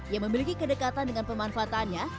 yang memiliki kedekatan dengan pemanfaatannya